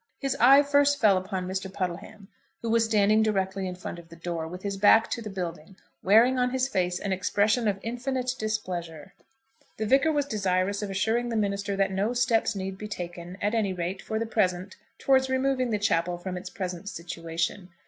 His eye first fell upon Mr. Puddleham, who was standing directly in front of the door, with his back to the building, wearing on his face an expression of infinite displeasure. The Vicar was desirous of assuring the minister that no steps need be taken, at any rate, for the present, towards removing the chapel from its present situation.